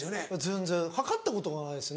全然測ったことがないですね